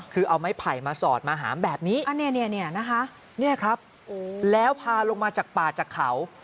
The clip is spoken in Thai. คือเอาไม้ไผ่มาสอดมาหามแบบนี้ครับแล้วพาลงมาจากป่าจากเขา